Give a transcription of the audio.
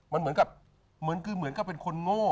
มันเหมือนกับเหมือนกับเป็นคนโง่